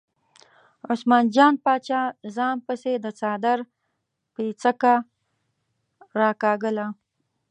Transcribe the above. عثمان جان باچا ځان پسې د څادر پیڅکه راکاږله.